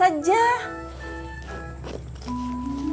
bunga itu cuma ikut ikutan temannya saja